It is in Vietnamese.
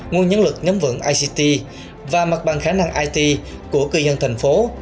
nguồn nhân lực nhóm vận ict và mặt bằng khả năng it của cư dân thành phố